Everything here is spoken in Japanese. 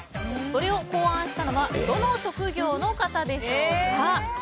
それを考案したのはどの職業の方でしょうか？